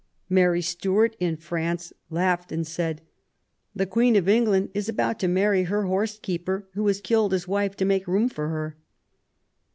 Mary Stuart, in France, laughed and said :The Queen of England is about to marry her horsekeeper, who has killed his wife to make room for her".